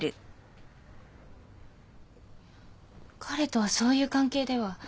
彼とはそういう関係では。